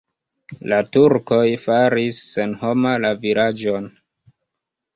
La turkoj faris senhoma la vilaĝon.